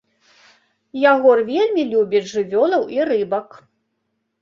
Ягор вельмі любіць жывёлаў і рыбак.